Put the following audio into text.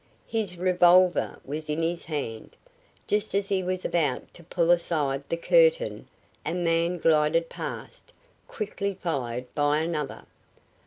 His revolver was in his hand. Just as he was about to pull aside the curtain a man glided past, quickly followed by another.